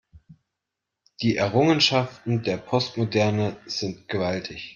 Die Errungenschaften der Postmoderne sind gewaltig.